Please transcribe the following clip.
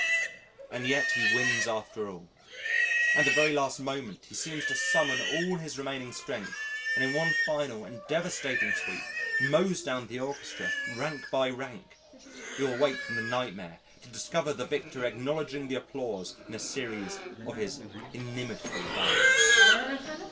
And yet he wins after all. At the very last moment he seems to summon all his remaining strength and in one final and devastating sweep mows down the orchestra rank by rank.... You awake from the nightmare to discover the victor acknowledging the applause in a series of his inimitable bows.